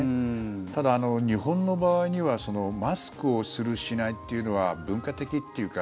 ただ、日本の場合にはマスクをする、しないというのは文化的というか